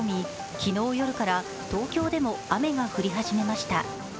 昨日から東京でも雨が降り始めました。